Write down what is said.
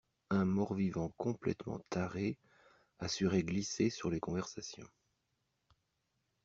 Un mort-vivant complètement taré assurait glisser sur les conversations.